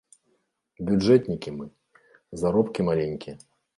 Бюджэтнікі мы, заробкі маленькія.